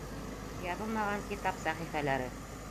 Яҙылмаған китап сәхифәләре